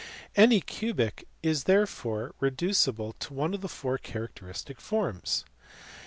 Any cubic is therefore reducible to one of four charac teristic forms.